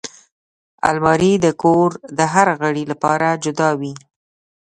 الماري د کور د هر غړي لپاره جدا وي